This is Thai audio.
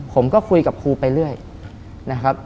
ผมก็คุยกับครูไปเรื่อยนะครับ